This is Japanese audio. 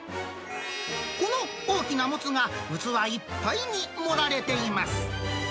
この大きなもつが器いっぱいに盛られています。